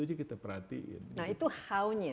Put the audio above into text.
aja kita perhatiin nah itu how nya